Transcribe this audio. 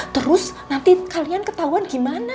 terus nanti kalian ketahuan gimana